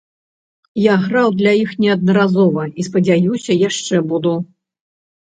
Я граў для іх неаднаразова, і, спадзяюся, яшчэ буду.